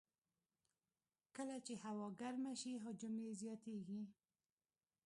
کله چې هوا ګرمه شي، حجم یې زیاتېږي.